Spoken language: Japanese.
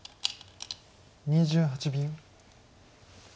２８秒。